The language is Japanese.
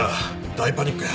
大パニックや。